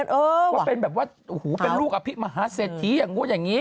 ก็เป็นแบบว่าเป็นลูกอภิมฮาเศรษฐีอย่างงั้นอย่างนี้